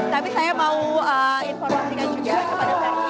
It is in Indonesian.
tapi saya mau informasikan juga kepada versi ini